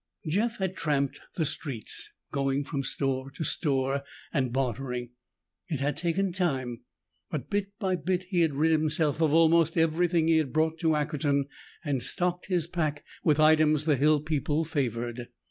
Jeff had tramped the streets, going from store to store and bartering. It had taken time. But bit by bit he had rid himself of almost everything he had brought to Ackerton and stocked his pack with items the hill people favored.